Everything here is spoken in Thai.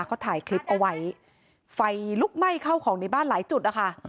เขาถ่ายคลิปเอาไว้ไฟลุกไหม้เข้าของในบ้านหลายจุดนะคะ